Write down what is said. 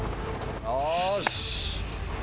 よし。